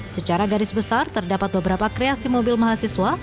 secara garis besar terdapat beberapa kreasi mobil mahasiswa